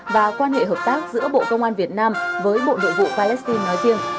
và quan hệ hợp tác giữa bộ công an việt nam với bộ nội vụ palestine nói riêng